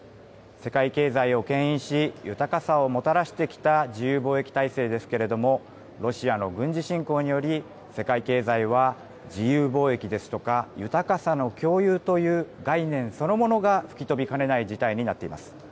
世界経済をけん引し豊かさをもたらしてきた自由貿易体制ですけれどもロシアの軍事侵攻により世界経済は自由貿易ですとか豊かさの共有という概念そのものが吹き飛びかねない事態になっています。